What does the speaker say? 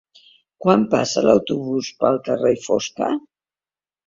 Quan passa l'autobús pel carrer Fosca?